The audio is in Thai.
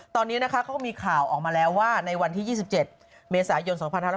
ตอนนี้นะคะเขาก็มีข่าวออกมาแล้วว่าในวันที่๒๗เมษายน๒๕๖๐